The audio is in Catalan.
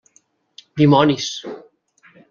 Dimonis!